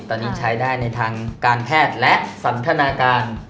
ตอนนี้ใช้ได้ในทางการแพทย์และสันทนาการ